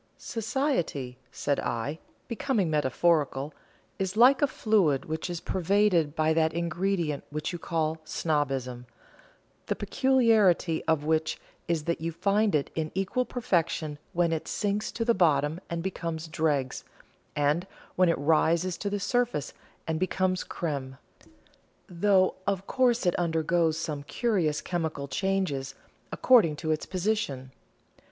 "Society," said I, becoming metaphorical, "is like a fluid which is pervaded by that ingredient which you call 'snobbism,' the peculiarity of which is that you find it in equal perfection when it sinks to the bottom and becomes dregs, and when it rises to the surface and becomes crême though of course it undergoes some curious chemical changes, according to its position.